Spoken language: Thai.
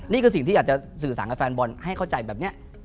นี่คือสิ่งที่อยากจะสื่อสารกับแฟนบอลให้เข้าใจแบบนี้